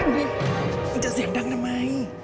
เฮ้ยมันจะเสียดังทำไม